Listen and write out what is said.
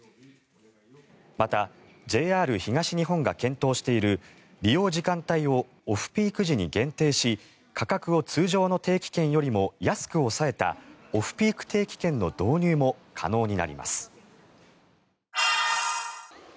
また、ＪＲ東日本が検討している利用時間帯をオフピーク時に限定し価格を通常の定期券よりも安く抑えたオフピーク定期券の導入も可能になります。